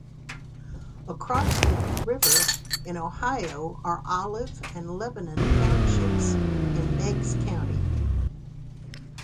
Across the river in Ohio are Olive and Lebanon Townships in Meigs County.